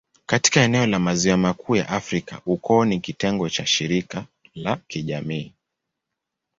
Katika eneo la Maziwa Makuu ya Afrika, ukoo ni kitengo cha shirika la kijamii.